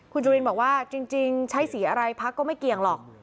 คุณจุลินบอกว่าจริงใช้สีอะไรพักก็ไม่เกี่ยงหรอก